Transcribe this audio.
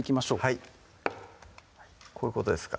はいこういうことですか？